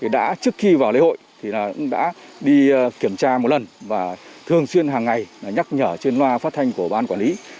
đã trước khi vào lễ hội đã đi kiểm tra một lần và thường xuyên hàng ngày nhắc nhở trên loa phát thanh của ban quản lý